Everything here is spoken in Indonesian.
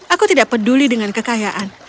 aku tidak peduli dengan kekayaan